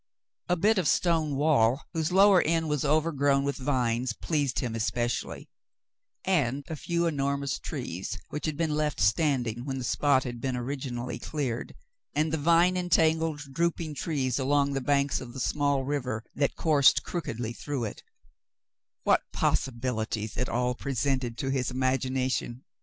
A bit of stone wall whose lower end was overgrown with vines pleased him especially, and a few enormous trees, which had been left standing when the spot had been originally cleared, and the vine entangled, drooping trees along the banks of the small river that coursed Cassandra's Trouble 125 crookedly through it, — what possibilities it all presented to his imagination